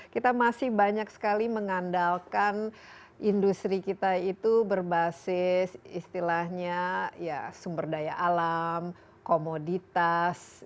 kita masih banyak sekali mengandalkan industri kita itu berbasis istilahnya sumber daya alam komoditas